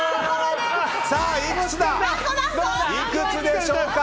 さあ、いくつでしょうか？